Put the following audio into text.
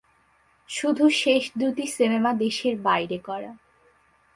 শুধু শেষ দুটি সিনেমা দেশের বাইরে করা।